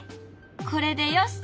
これでよし！